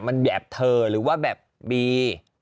มันแบบเธอหรือว่าแบบบี